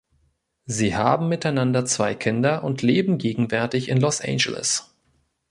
Sie haben miteinander zwei Kinder und leben gegenwärtig in Los Angeles.